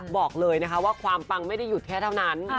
บอกเลยนะคะว่าความปังไม่ได้หยุดแค่เท่านั้น